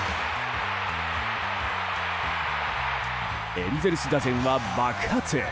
エンゼルス打線は爆発！